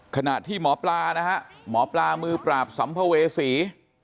ขณะที่หมอปลานะฮะหมอปลามือปราบสัมภเวษี